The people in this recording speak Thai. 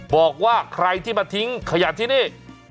บอกว่าใครที่มาทิ้งขยะที่นี่